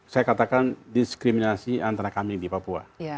saya katakan diskriminasi antara kami di papua